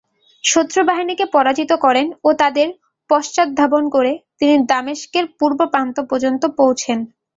শত্রু বাহিনীকে পরাজিত করেন ও তাদের পশ্চাদ্ধাবন করে তিনি দামেশকের পূর্ব প্রান্ত পর্যন্ত পৌঁছেন।